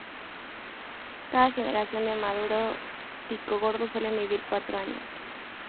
Cada generación de maluro picogordo suele vivir unos cuatro años.